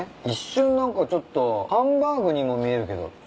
一瞬何かちょっとハンバーグにも見えるけど。